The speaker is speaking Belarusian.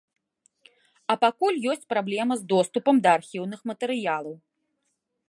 А пакуль ёсць праблема з доступам да архіўных матэрыялаў.